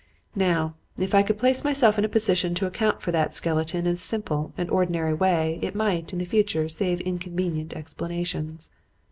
Now, if I could place myself in a position to account for that skeleton in a simple and ordinary way, it might, in the future, save inconvenient explanations.